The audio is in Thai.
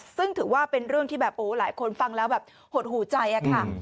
ซึ่งถือว่าเป็นเรื่องที่แบบโอ้หลายคนฟังแล้วแบบหดหูใจอะค่ะ